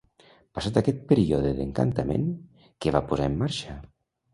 Passat aquest període d'encantament, què va posar en marxa?